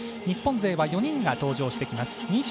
日本勢は４人が登場してきます。